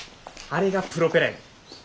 あれがプロペラや。